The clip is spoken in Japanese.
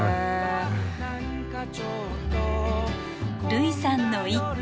類さんの一句。